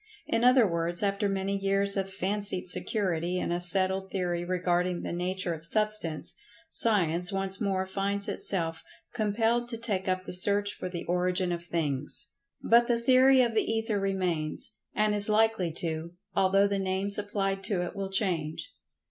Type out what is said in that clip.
In other words, after many years of fancied security in a settled theory regarding the nature of Substance, Science once more finds itself compelled to take[Pg 108] up the search for the origin of things. But the theory of the Ether remains—and is likely to—although the names applied to it will change.